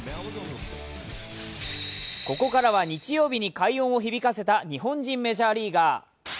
ここからは日曜日に快音を響かせた日本人メジャーリーガー。